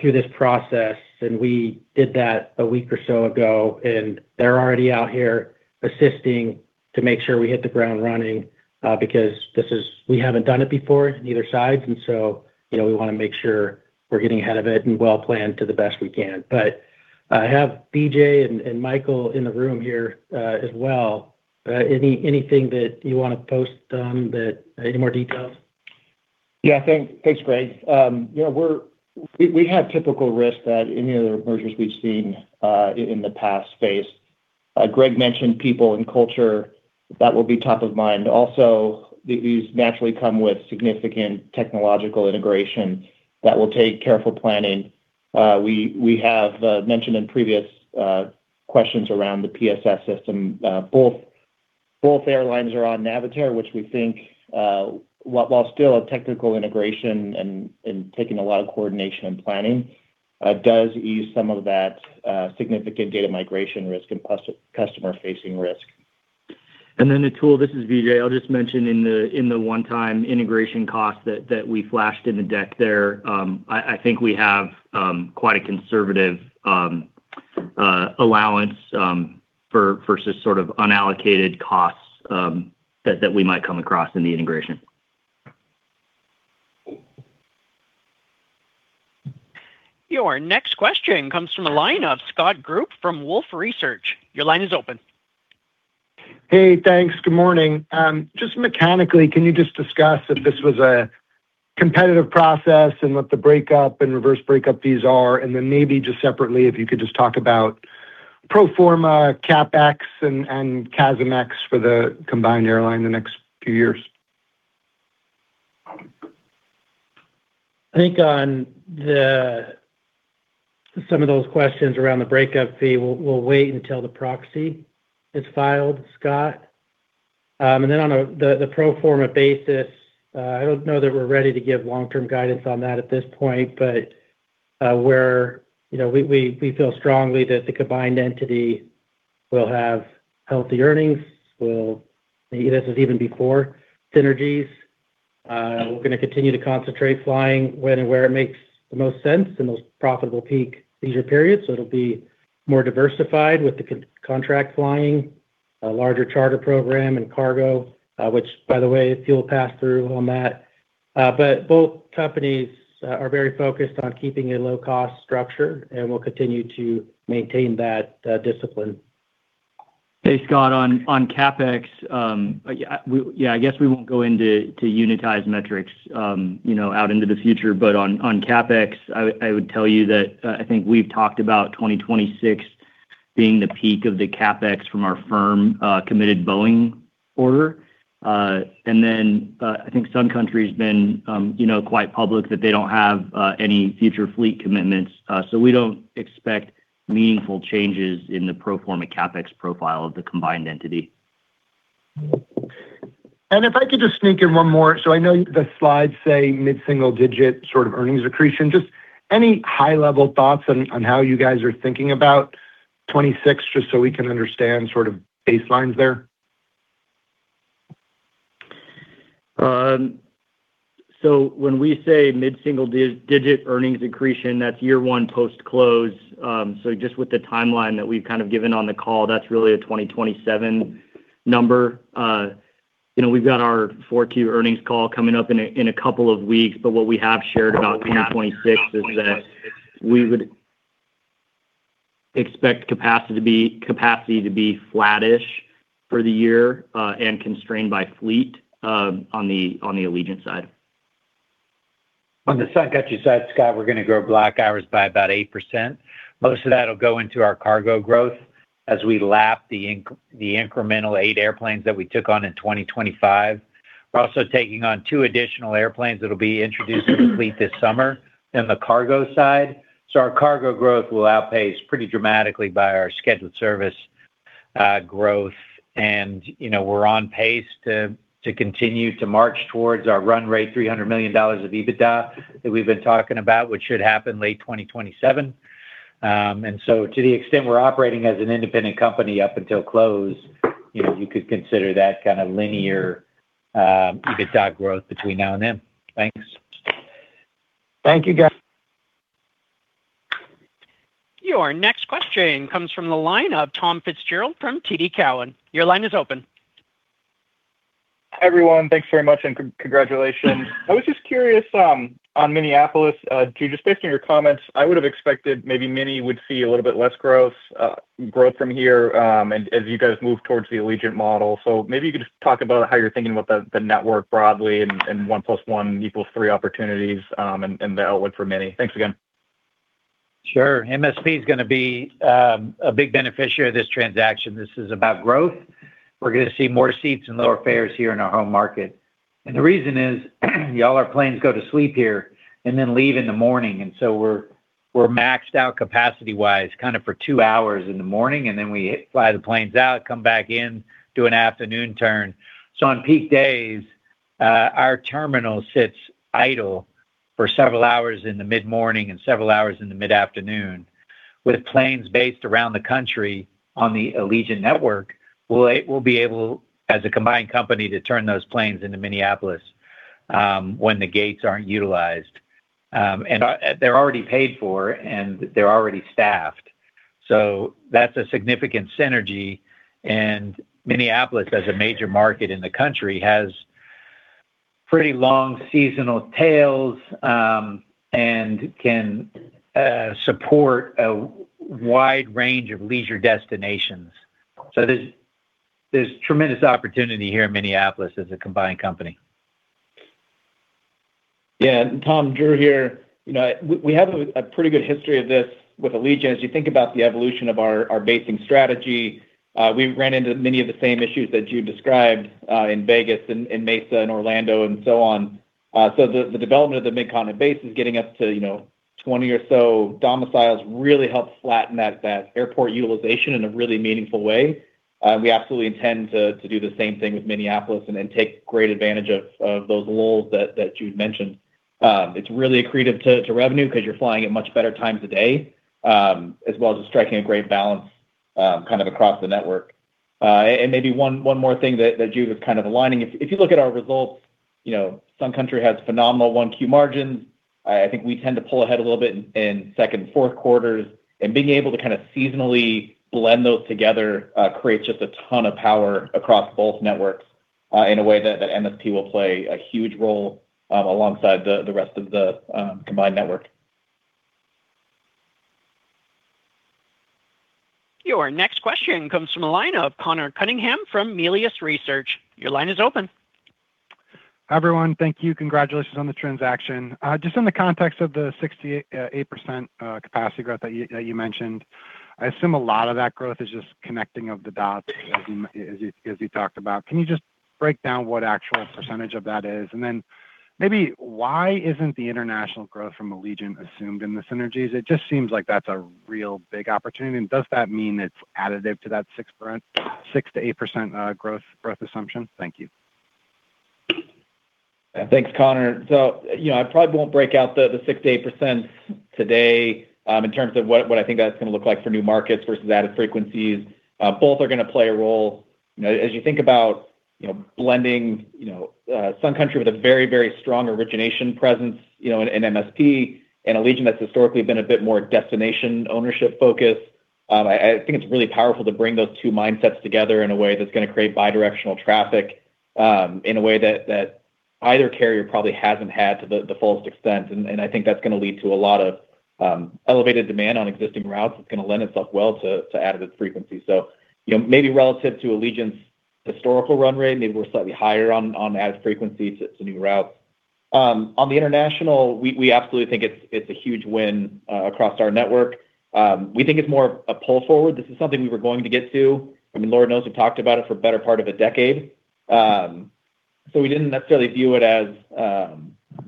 through this process, and we did that a week or so ago. And they're already out here assisting to make sure we hit the ground running because we haven't done it before on either side. And so we want to make sure we're getting ahead of it and well-planned to the best we can. But I have BJ and Michael in the room here as well. Anything that you want to add on that? Any more details? Yeah, thanks, Greg. We have typical risks that any of the mergers we've seen in the past face. Greg mentioned people and culture. That will be top of mind. Also, these naturally come with significant technological integration that will take careful planning. We have mentioned in previous questions around the PSS system. Both airlines are on Navitaire, which we think, while still a technical integration and taking a lot of coordination and planning, does ease some of that significant data migration risk and customer-facing risk. And then, Atul, this is BJ. I'll just mention in the one-time integration cost that we flashed in the deck there, I think we have quite a conservative allowance versus sort of unallocated costs that we might come across in the integration. Your next question comes from a line of Scott Group from Wolfe Research. Your line is open. Hey, thanks. Good morning. Just mechanically, can you just discuss if this was a competitive process and what the breakup and reverse breakup fees are? And then maybe just separately, if you could just talk about pro forma, CapEx, and CASM-ex for the combined airline in the next few years. I think on some of those questions around the breakup fee, we'll wait until the proxy is filed, Scott. And then on the pro forma basis, I don't know that we're ready to give long-term guidance on that at this point, but we feel strongly that the combined entity will have healthy earnings. This is even before synergies. We're going to continue to concentrate flying when and where it makes the most sense in those profitable peak leisure periods. So it'll be more diversified with the contract flying, a larger charter program, and cargo, which, by the way, fuel passed through on that. But both companies are very focused on keeping a low-cost structure, and we'll continue to maintain that discipline. Hey, Scott, on CapEx, yeah, I guess we won't go into unitized metrics out into the future. But on CapEx, I would tell you that I think we've talked about 2026 being the peak of the CapEx from our firm-committed Boeing order. I think Sun Country has been quite public that they don't have any future fleet commitments. We don't expect meaningful changes in the pro forma CapEx profile of the combined entity. If I could just sneak in one more. I know the slides say mid-single-digit sort of earnings accretion. Any high-level thoughts on how you guys are thinking about 2026, just so we can understand sort of baselines there? When we say mid-single-digit earnings accretion, that's year one post-close. With the timeline that we've kind of given on the call, that's really a 2027 number. We've got our Q4 earnings call coming up in a couple of weeks. What we have shared about 2026 is that we would expect capacity to be flattish for the year and constrained by fleet on the Allegiant side. On the Sun Country side, Scott, we're going to grow block hours by about 8%. Most of that will go into our cargo growth as we lap the incremental eight airplanes that we took on in 2025. We're also taking on two additional airplanes that will be introduced to the fleet this summer in the cargo side. So our cargo growth will outpace pretty dramatically by our scheduled service growth. And we're on pace to continue to march towards our run rate, $300 million of EBITDA that we've been talking about, which should happen late 2027. And so to the extent we're operating as an independent company up until close, you could consider that kind of linear EBITDA growth between now and then. Thanks. Thank you, guys. Your next question comes from the line of Tom Fitzgerald from TD Cowen. Your line is open. Hi, everyone. Thanks very much and congratulations. I was just curious on Minneapolis. Just based on your comments, I would have expected maybe many would see a little bit less growth from here as you guys move towards the Allegiant model. So maybe you could just talk about how you're thinking about the network broadly and one plus one equals three opportunities and the outlook for many. Thanks again. Sure. MSP is going to be a big beneficiary of this transaction. This is about growth. We're going to see more seats and lower fares here in our home market, and the reason is y'all, our planes go to sleep here and then leave in the morning, and so we're maxed out capacity-wise kind of for two hours in the morning, and then we fly the planes out, come back in, do an afternoon turn. So on peak days, our terminal sits idle for several hours in the mid-morning and several hours in the mid-afternoon. With planes based around the country on the Allegiant network, we'll be able, as a combined company, to turn those planes into Minneapolis when the gates aren't utilized. And they're already paid for, and they're already staffed. So that's a significant synergy. And Minneapolis, as a major market in the country, has pretty long seasonal tails and can support a wide range of leisure destinations. So there's tremendous opportunity here in Minneapolis as a combined company. Yeah. Tom, Drew here. We have a pretty good history of this with Allegiant. As you think about the evolution of our basing strategy, we ran into many of the same issues that you described in Vegas and Mesa and Orlando and so on. So the development of the Mid-Continent base is getting us to 20 or so domiciles. [This] really helped flatten that airport utilization in a really meaningful way. We absolutely intend to do the same thing with Minneapolis and take great advantage of those lulls that you'd mentioned. It's really accretive to revenue because you're flying at much better times of day, as well as striking a great balance kind of across the network. And maybe one more thing that you've just kind of aligning. If you look at our results, Sun Country has phenomenal Q1 margins. I think we tend to pull ahead a little bit in second and fourth quarters. And being able to kind of seasonally blend those together creates just a ton of power across both networks in a way that MSP will play a huge role alongside the rest of the combined network. Your next question comes from a line of Conor Cunningham from Melius Research. Your line is open. Hi, everyone. Thank you. Congratulations on the transaction. Just in the context of the 68% capacity growth that you mentioned, I assume a lot of that growth is just connecting the dots as you talked about. Can you just break down what actual percentage of that is? And then maybe why isn't the international growth from Allegiant assumed in the synergies? It just seems like that's a real big opportunity. And does that mean it's additive to that 6-8% growth assumption? Thank you. Thanks, Conor. So I probably won't break out the 6-8% today in terms of what I think that's going to look like for new markets versus added frequencies. Both are going to play a role. As you think about blending Sun Country with a very, very strong origination presence in MSP and Allegiant, that's historically been a bit more destination ownership focus. I think it's really powerful to bring those two mindsets together in a way that's going to create bidirectional traffic in a way that either carrier probably hasn't had to the fullest extent. And I think that's going to lead to a lot of elevated demand on existing routes. It's going to lend itself well to added frequency. So maybe relative to Allegiant's historical run rate, maybe we're slightly higher on added frequency to new routes. On the international, we absolutely think it's a huge win across our network. We think it's more of a pull forward. This is something we were going to get to. I mean, Lord knows we've talked about it for a better part of a decade. So we didn't necessarily view it as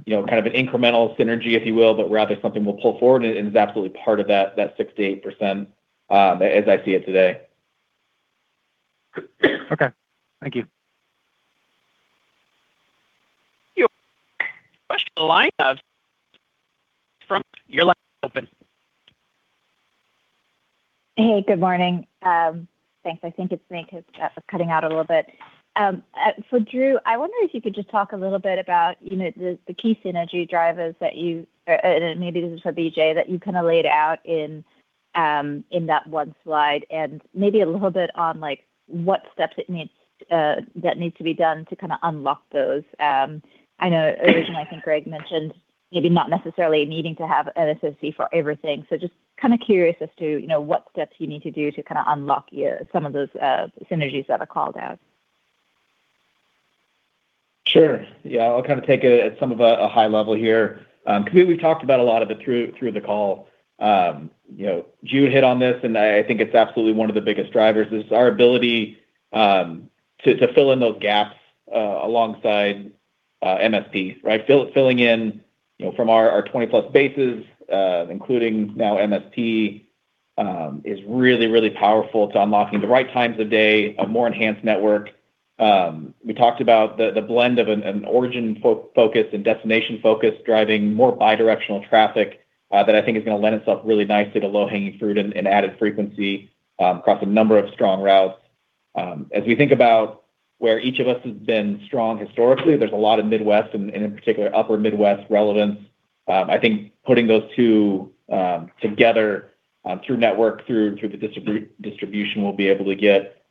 kind of an incremental synergy, if you will, but rather something we'll pull forward. And it's absolutely part of that 6%-8% as I see it today. Okay. Thank you. Your line of. Your line is open. Hey, good morning. Thanks. I think it's me because I was cutting out a little bit. So Drew, I wonder if you could just talk a little bit about the key synergy drivers that you—and maybe this is for BJ—that you kind of laid out in that one slide and maybe a little bit on what steps that need to be done to kind of unlock those. I know originally, I think Greg mentioned maybe not necessarily needing to have an SSC for everything. So just kind of curious as to what steps you need to do to kind of unlock some of those synergies that are called out. Sure. Yeah. I'll kind of take it at a high level here. We've talked about a lot of it through the call. You hit on this, and I think it's absolutely one of the biggest drivers. This is our ability to fill in those gaps alongside MSP, right? Filling in from our 20-plus bases, including now MSP, is really, really powerful to unlocking the right times of day, a more enhanced network. We talked about the blend of an origin focus and destination focus driving more bidirectional traffic that I think is going to lend itself really nicely to low-hanging fruit and added frequency across a number of strong routes. As we think about where each of us has been strong historically, there's a lot of Midwest and, in particular, Upper Midwest relevance. I think putting those two together through network, through the distribution we'll be able to get,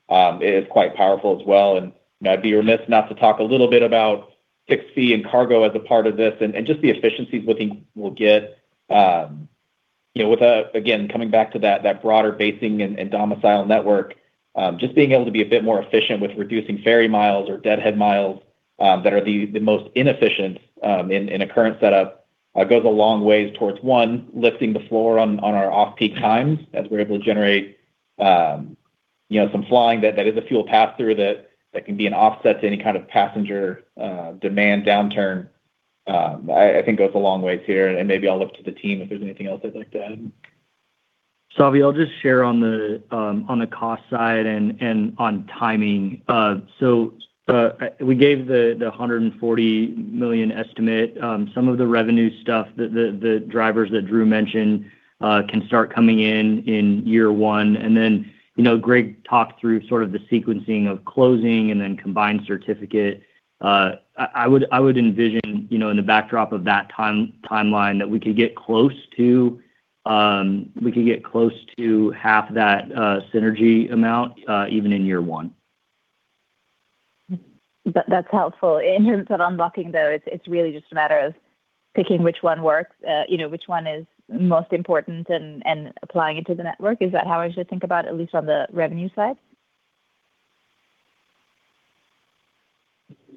is quite powerful as well. And I'd be remiss not to talk a little bit about SC and cargo as a part of this and just the efficiencies we'll get. With, again, coming back to that broader basing and domicile network, just being able to be a bit more efficient with reducing ferry miles or deadhead miles that are the most inefficient in a current setup goes a long way towards, one, lifting the floor on our off-peak times as we're able to generate some flying that is a fuel pass-through that can be an offset to any kind of passenger demand downturn. I think goes a long way here. And maybe I'll look to the team if there's anything else I'd like to add. So, I'll just share on the cost side and on timing. So we gave the $140 million estimate. Some of the revenue stuff, the drivers that Drew mentioned, can start coming in in year one. And then Greg talked through sort of the sequencing of closing and then combined certificate. I would envision, in the backdrop of that timeline, that we could get close to—we could get close to half that synergy amount even in year one. That's helpful. In terms of unlocking, though, it's really just a matter of picking which one works, which one is most important, and applying it to the network. Is that how I should think about it, at least on the revenue side?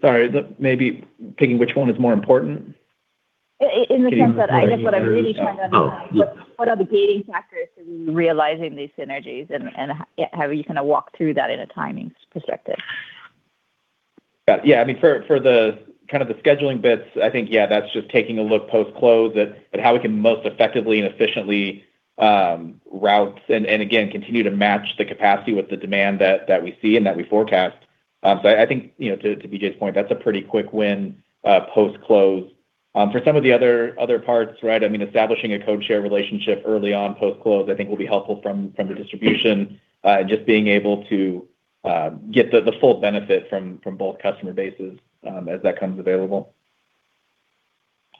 Sorry. Is it maybe picking which one is more important? In the sense that I guess what I'm really trying to understand is what are the gating factors to realizing these synergies and how you kind of walk through that in a timing perspective? Yeah. I mean, for kind of the scheduling bits, I think, yeah, that's just taking a look post-close at how we can most effectively and efficiently route and, again, continue to match the capacity with the demand that we see and that we forecast. So I think, to BJ's point, that's a pretty quick win post-close. For some of the other parts, right, I mean, establishing a code-share relationship early on post-close, I think, will be helpful from the distribution and just being able to get the full benefit from both customer bases as that comes available.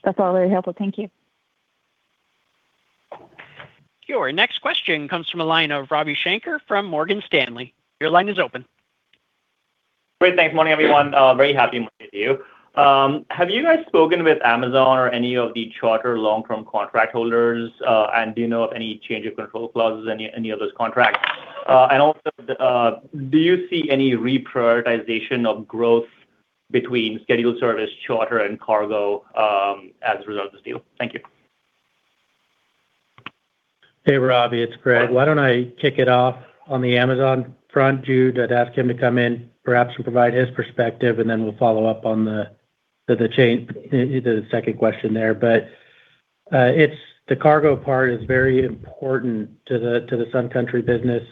That's all very helpful. Thank you. Your next question comes from a line of Ravi Shanker from Morgan Stanley.Your line is open. Great. Thanks. Morning, everyone. Very happy Monday to you. Have you guys spoken with Amazon or any of the charter long-term contract holders? And do you know of any change of control clauses in any of those contracts? And also, do you see any reprioritization of growth between scheduled service, charter, and cargo as a result of this deal? Thank you. Hey, Robby. It's Greg. Why don't I kick it off on the Amazon front? Drew, I'd ask him to come in, perhaps provide his perspective, and then we'll follow up on the second question there. But the cargo part is very important to the Sun Country business.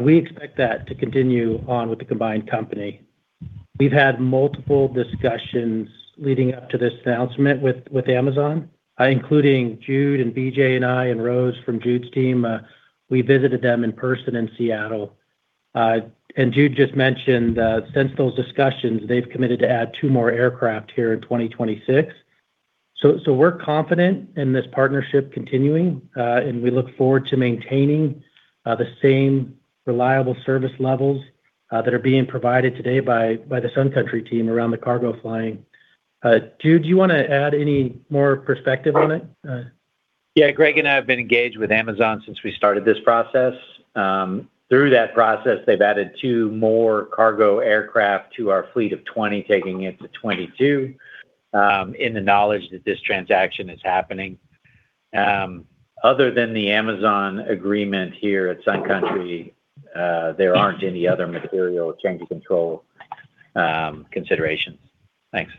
We expect that to continue on with the combined company. We've had multiple discussions leading up to this announcement with Amazon, including Jude and BJ and I and Rose from Jude's team. We visited them in person in Seattle. And Jude just mentioned, since those discussions, they've committed to add two more aircraft here in 2026. So we're confident in this partnership continuing, and we look forward to maintaining the same reliable service levels that are being provided today by the Sun Country team around the cargo flying. Drew, do you want to add any more perspective on it? Yeah. Greg and I have been engaged with Amazon since we started this process. Through that process, they've added two more cargo aircraft to our fleet of 20, taking it to 22 in the knowledge that this transaction is happening. Other than the Amazon agreement here at Sun Country, there aren't any other material change of control considerations. Thanks.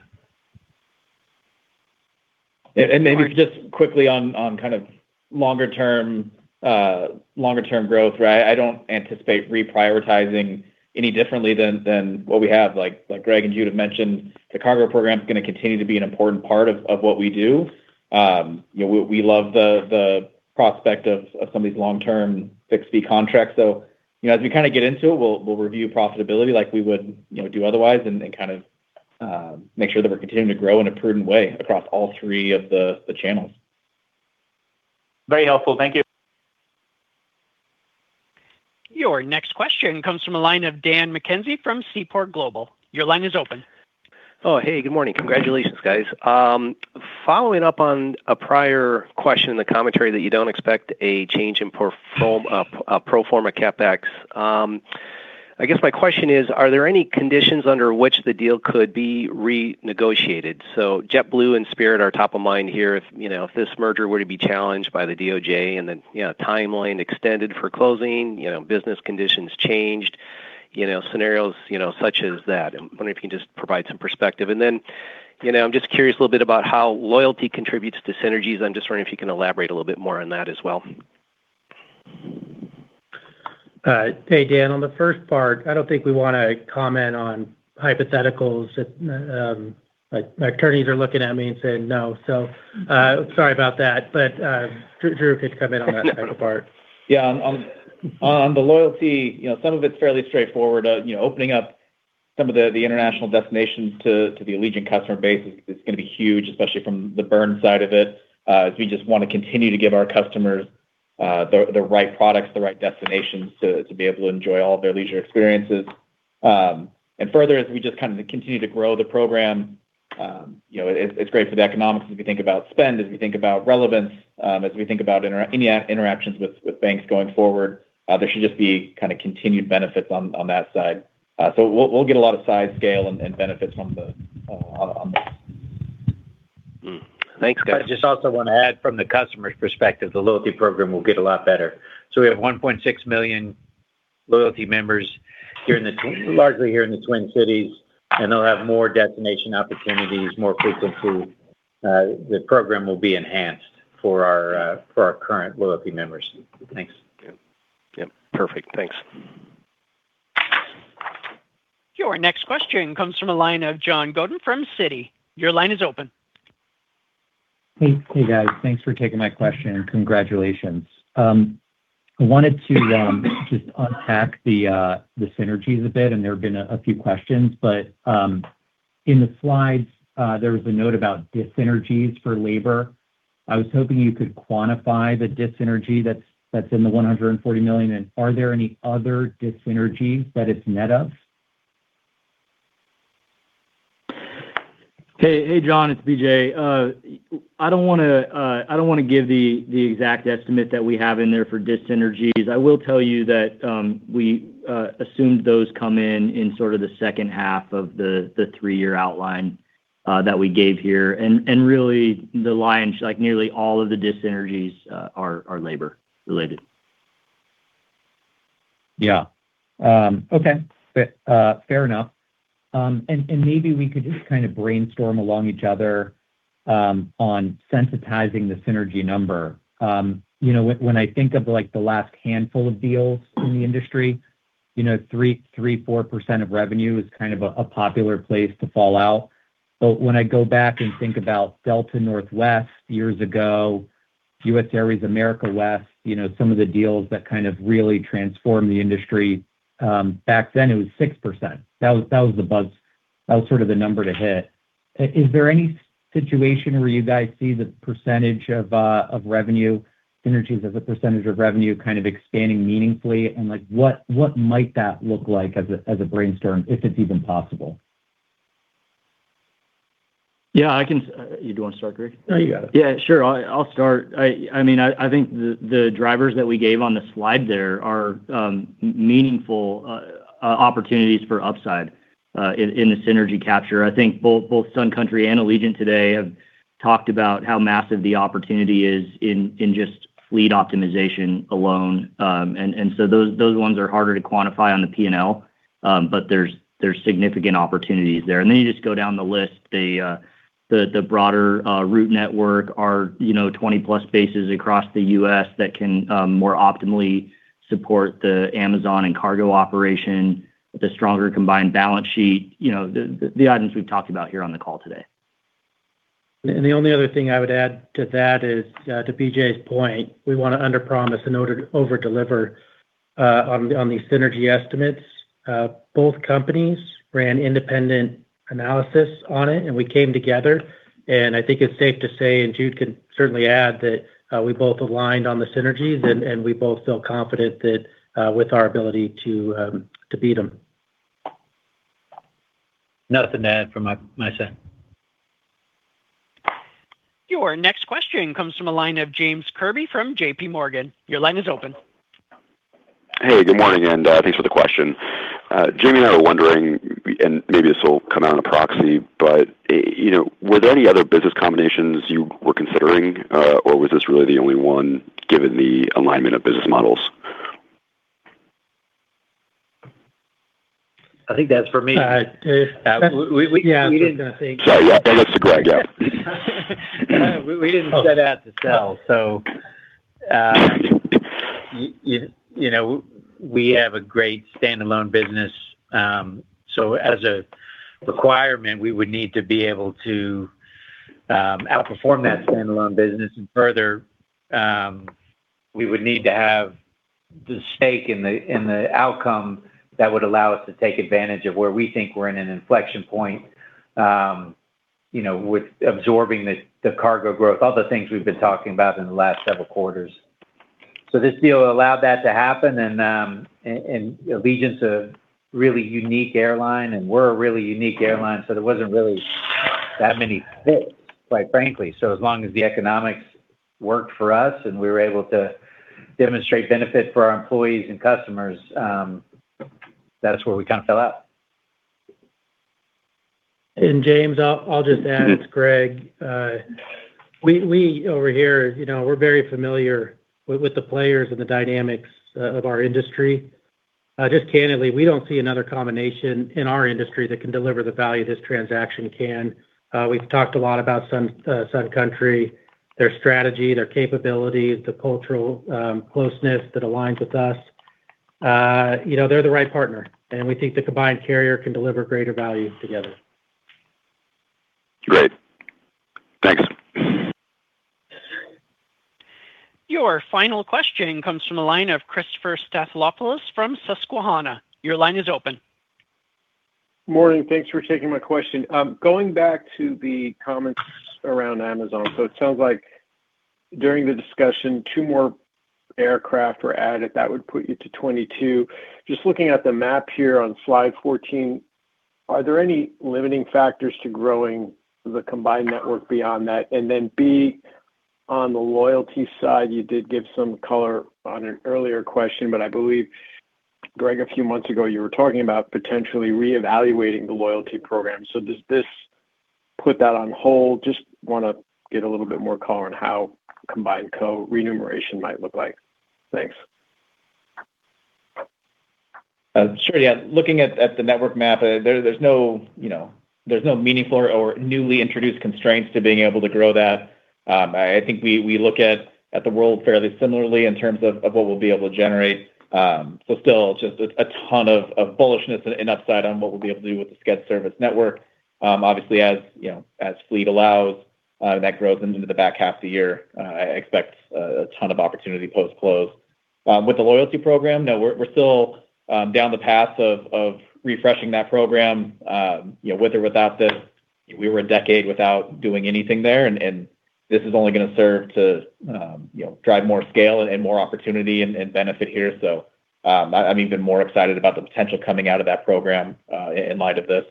And maybe just quickly on kind of longer-term growth, right? I don't anticipate reprioritizing any differently than what we have. Like Greg and Jude have mentioned, the cargo program is going to continue to be an important part of what we do. We love the prospect of some of these long-term [XB] contracts. So as we kind of get into it, we'll review profitability like we would do otherwise and kind of make sure that we're continuing to grow in a prudent way across all three of the channels. Very helpful. Thank you. Your next question comes from a line of Dan McKenzie from Seaport Global. Your line is open. Oh, hey. Good morning. Congratulations, guys. Following up on a prior question in the commentary that you don't expect a change in pro forma CapEx, I guess my question is, are there any conditions under which the deal could be renegotiated? JetBlue and Spirit are top of mind here if this merger were to be challenged by the DOJ and the timeline extended for closing, business conditions changed, scenarios such as that. I'm wondering if you can just provide some perspective. And then I'm just curious a little bit about how loyalty contributes to synergies. I'm just wondering if you can elaborate a little bit more on that as well. Hey, Dan, on the first part, I don't think we want to comment on hypotheticals. My attorneys are looking at me and saying, "No." So sorry about that. But Drew could come in on that type of part. Yeah. On the loyalty, some of it's fairly straightforward. Opening up some of the international destinations to the Allegiant customer base is going to be huge, especially from the burn side of it, as we just want to continue to give our customers the right products, the right destinations to be able to enjoy all of their leisure experiences. And further, as we just kind of continue to grow the program, it's great for the economics as we think about spend, as we think about relevance, as we think about any interactions with banks going forward. There should just be kind of continued benefits on that side. So we'll get a lot of size scale and benefits on this. Thanks, guys. I just also want to add from the customer's perspective, the loyalty program will get a lot better. So we have 1.6 million loyalty members largely here in the Twin Cities, and they'll have more destination opportunities, more frequency. The program will be enhanced for our current loyalty members. Thanks. Yep. Yep. Perfect. Thanks. Your next question comes from a line of John Godyn from Citi. Your line is open. Hey, guys. Thanks for taking my question. Congratulations. I wanted to just unpack the synergies a bit, and there have been a few questions. But in the slides, there was a note about disynergies for labor. I was hoping you could quantify the disynergy that's in the $140 million. And are there any other disynergies that it's net of? Hey, John, it's BJ. I don't want to give the exact estimate that we have in there for disynergies. I will tell you that we assumed those come in sort of the second half of the three-year outline that we gave here. And really, the line, nearly all of the disynergies are labor-related. Yeah. Okay. Fair enough. And maybe we could just kind of brainstorm along each other on sensitizing the synergy number. When I think of the last handful of deals in the industry, 3%-4% of revenue is kind of a popular place to fall out. But when I go back and think about Delta Northwest years ago, US Airways America West, some of the deals that kind of really transformed the industry, back then, it was 6%. That was the buzz. That was sort of the number to hit. Is there any situation where you guys see the percentage of revenue, synergies as a percentage of revenue kind of expanding meaningfully? And what might that look like as a brainstorm, if it's even possible? Yeah. You do want to start, Greg? Oh, you got it. Yeah. Sure. I'll start. I mean, I think the drivers that we gave on the slide there are meaningful opportunities for upside in the synergy capture. I think both Sun Country and Allegiant today have talked about how massive the opportunity is in just fleet optimization alone. And so those ones are harder to quantify on the P&L, but there's significant opportunities there. And then you just go down the list. The broader route network are 20-plus bases across the U.S. that can more optimally support the Amazon and cargo operation, the stronger combined balance sheet, the items we've talked about here on the call today. And the only other thing I would add to that is, to BJ's point, we want to underpromise and overdeliver on these synergy estimates. Both companies ran independent analysis on it, and we came together. And I think it's safe to say, and Jude can certainly add, that we both aligned on the synergies, and we both feel confident with our ability to beat them. Nothing to add from my side. Your next question comes from a line of Jamie Baker from JPMorgan. Your line is open. Hey, good morning, and thanks for the question. Jimmy and I were wondering, and maybe this will come out on the proxy, but were there any other business combinations you were considering, or was this really the only one given the alignment of business models? I think that's for me. We didn't, sorry. That goes to Greg. Yep. We didn't set out to sell, so we have a great standalone business. So as a requirement, we would need to be able to outperform that standalone business. And further, we would need to have the stake in the outcome that would allow us to take advantage of where we think we're in an inflection point with absorbing the cargo growth, all the things we've been talking about in the last several quarters. So this deal allowed that to happen. And Allegiant's a really unique airline, and we're a really unique airline, so there wasn't really that many fits, quite frankly. So as long as the economics worked for us and we were able to demonstrate benefit for our employees and customers, that's where we kind of fell out. And James, I'll just add, it's Greg. We over here, we're very familiar with the players and the dynamics of our industry. Just candidly, we don't see another combination in our industry that can deliver the value this transaction can. We've talked a lot about Sun Country, their strategy, their capabilities, the cultural closeness that aligns with us. They're the right partner, and we think the combined carrier can deliver greater value together. Great. Thanks. Your final question comes from a line of Christopher Stathoulopoulos from Susquehanna. Your line is open. Morning. Thanks for taking my question. Going back to the comments around Amazon, so it sounds like during the discussion, two more aircraft were added. That would put you to 22. Just looking at the map here on slide 14, are there any limiting factors to growing the combined network beyond that? And then B, on the loyalty side, you did give some color on an earlier question, but I believe, Greg, a few months ago, you were talking about potentially reevaluating the loyalty program. So does this put that on hold? Just want to get a little bit more color on how combined co-remuneration might look like. Thanks. Sure. Yeah. Looking at the network map, there's no meaningful or newly introduced constraints to being able to grow that. I think we look at the world fairly similarly in terms of what we'll be able to generate. So still, just a ton of bullishness and upside on what we'll be able to do with the sched service network, obviously, as fleet allows. That grows into the back half of the year. I expect a ton of opportunity post-close. With the loyalty program, no, we're still down the path of refreshing that program with or without this. We were a decade without doing anything there, and this is only going to serve to drive more scale and more opportunity and benefit here. So I'm even more excited about the potential coming out of that program in light of this.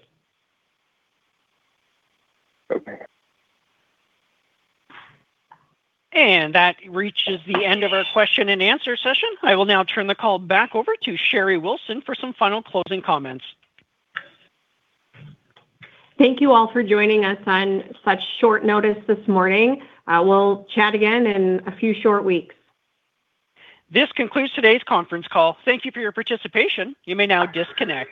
And that reaches the end of our question-and-answer session. I will now turn the call back over to Sherry Wilson for some final closing comments. Thank you all for joining us on such short notice this morning. We'll chat again in a few short weeks. This concludes today's conference call. Thank you for your participation. You may now disconnect.